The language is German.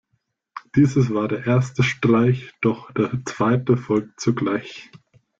Dieses war der erste Streich, doch der zweite folgt sogleich.